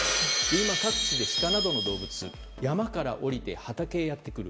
今、各地でシカなどの動物が山から下りて畑へやってくる。